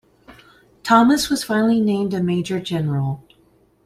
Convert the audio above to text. Thomas was finally named a major general.